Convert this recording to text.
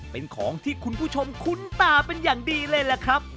เป็นของที่คุณผู้ชมคุ้นตาเป็นอย่างดีเลยล่ะครับ